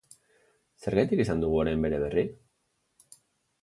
Zergatik izan dugu orain bere berri?